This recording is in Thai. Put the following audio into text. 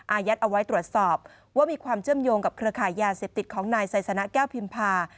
ยัดเอาไว้ตรวจสอบว่ามีความเชื่อมโยงกับเครือขายยาเสพติดของนายไซสนะแก้วพิมพา